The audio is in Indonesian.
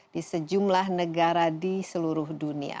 di sejumlah negara di seluruh dunia